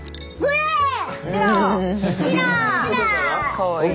かわいい。